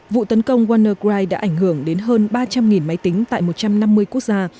vụ tấn công wanergride đã ảnh hưởng đến hơn ba trăm linh máy tính tại một trăm năm mươi quốc gia